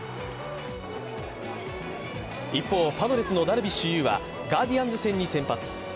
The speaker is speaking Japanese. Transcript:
一方、パドレスのダルビッシュ有はガーディアンズ戦に先発。